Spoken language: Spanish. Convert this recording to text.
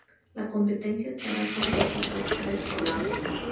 La competencia estará compuesta por tres rondas.